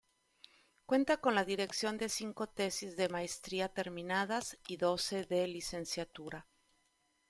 Cuenta con la dirección de cinco tesis de maestría terminadas y doce de licenciatura.